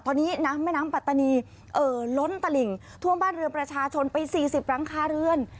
ตอนนี้น้ำแม่น้ำปัตตานีเอ่อล้นตลิ่งท่วมบ้านเรือประชาชนไป๔๐หลังคาเรือน